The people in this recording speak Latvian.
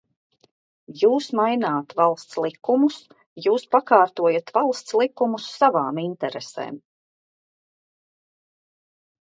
Jūs maināt valsts likumus, jūs pakārtojat valsts likumus savām interesēm.